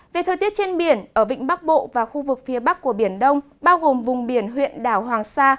về thời tiết trên biển ở vịnh bắc bộ và khu vực phía bắc của biển đông bao gồm vùng biển huyện đảo hoàng sa